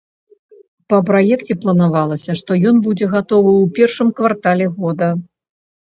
Па праекце планавалася, што ён будзе гатовы ў першым квартале года.